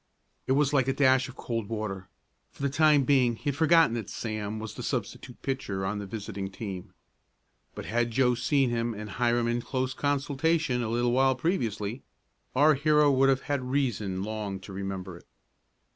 It was like a dash of cold water. For the time being he had forgotten that Sam was the substitute pitcher on the visiting team, but had Joe seen him and Hiram in close consultation a little while previously, our hero would have had reason long to remember it.